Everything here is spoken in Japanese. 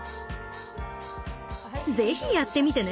ぜひやってみてね！